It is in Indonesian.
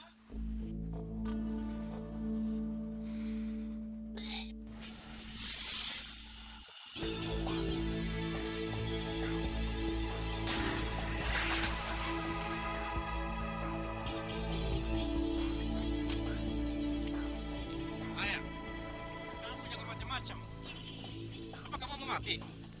ayah kamu jangan macam macam apa kamu mau mati